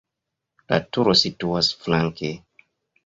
La turo situas flanke.